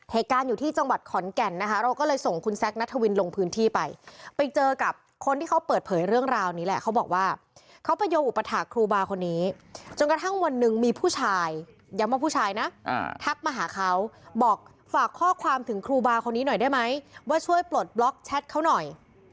เหตุการณ์อยู่ที่จังหวัดขอนแก่นนะคะเราก็เลยส่งคุณแซคนัทวินลงพื้นที่ไปไปเจอกับคนที่เขาเปิดเผยเรื่องราวนี้แหละเขาบอกว่าเขาไปโยงอุปถาคครูบาคนนี้จนกระทั่งวันหนึ่งมีผู้ชายย้ำว่าผู้ชายนะทักมาหาเขาบอกฝากข้อความถึงครูบาคนนี้หน่อยได้ไหมว่าช่วยปลดบล็อกแชทเขาหน่อย